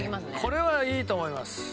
これはいいと思います。